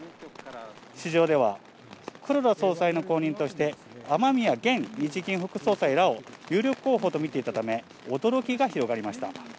市場では、黒田総裁の後任として、雨宮現日銀副総裁らを有力候補と見ていたため、驚きが広がりました。